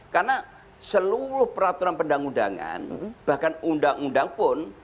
karena seluruh peraturan pendang undangan bahkan undang undang pun